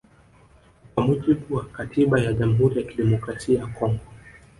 Kwa mujibu wa katiba ya Jamhuri ya Kidemokrasia ya Kongo